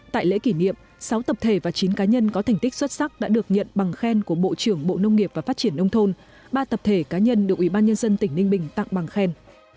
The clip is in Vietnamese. tại lễ kỷ niệm sáu tập thể và chín cá nhân có thành tích xuất sắc đã được nhận bằng khen của bộ trưởng bộ nông nghiệp và phát triển nông thôn ba tập thể cá nhân được ủy ban nhân dân tỉnh ninh bình tặng bằng khen